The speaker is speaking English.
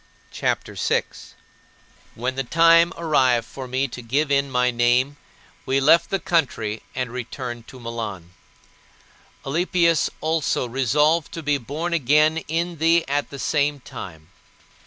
CHAPTER VI 14. When the time arrived for me to give in my name, we left the country and returned to Milan. Alypius also resolved to be born again in thee at the same time.